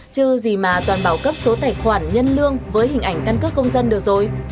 chứ gì mà toàn bảo cấp số tài khoản nhân lương với hình ảnh căn cước công dân được rồi